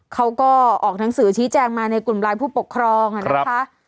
เขาก็ออกหนังสือชี้แจงมาในกลุ่มไลน์ผู้ปกครองนะคะ